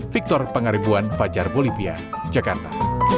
victor pengaribuan fajar bolivia jakarta